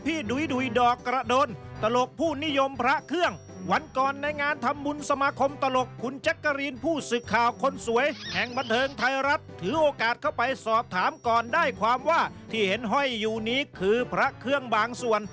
ศีรภัณฑ์ไทยรัฐถือโอกาสเข้าไปสอบถามก่อนได้ความว่าที่เห็นห้อยอยู่นี้คือพระเครื่องบางส่วน